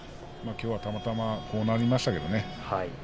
きょうはたまたまこうなりましたけどね。